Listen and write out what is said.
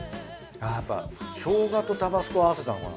やっぱしょうがとタバスコ合わせたのかな。